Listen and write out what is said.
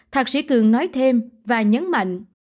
thạc sĩ cường nói thêm và nhấn mạnh